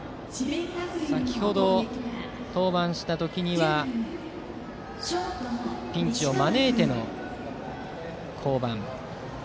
先程、登板した時にはピンチを招いての降板。